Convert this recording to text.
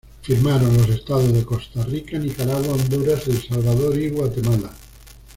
Firmaron los estados de Costa Rica, Nicaragua, Honduras, El Salvador y Guatemala.